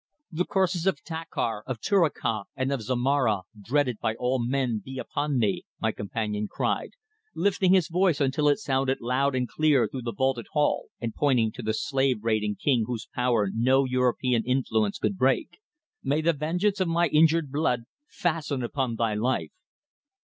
"The curses of Takhar, of Tuirakh, and of Zomara, dreaded by all men, be upon thee," my companion cried, lifting his voice until it sounded loud and clear through the vaulted hall, and pointing to the slave raiding king whose power no European influence could break. "May the vengeance of my injured blood fasten upon thy life."